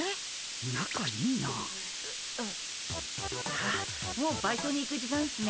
あっもうバイトに行く時間っすね。